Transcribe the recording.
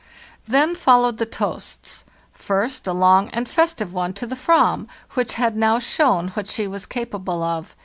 * "Then followed the toasts. First, a long and festive one to 'The Avram, which had now shown what she was capable of.